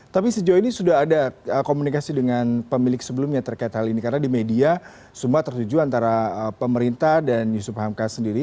tapi sejauh ini sudah ada komunikasi dengan pemilik sebelumnya terkait hal ini karena di media semua tertuju antara pemerintah dan yusuf hamka sendiri